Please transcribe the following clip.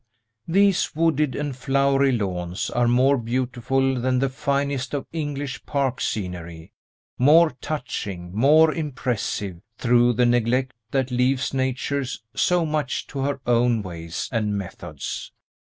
These wooded and flowery lawns are more beautiful than the finest of English park scenery, more touching, more impressive, through the neglect that leaves Nature so much to her own ways and methods.